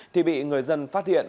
thì bị người dân phát hiện